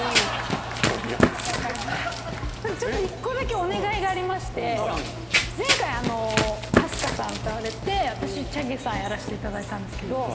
ちょっと１個だけお願いがありまして前回ＡＳＫＡさん歌われて私ＣＨＡＧＥさんやらせていただいたんですけど。